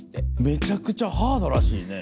めちゃくちゃハードらしいね。